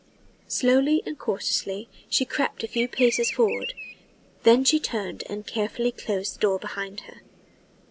Slowly and cautiously she crept a few paces forward, then she turned and carefully closed the door behind her.